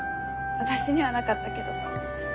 私にはなかったけど。